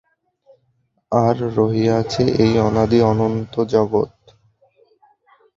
আর রহিয়াছে এই অনাদি অনন্ত জগৎ।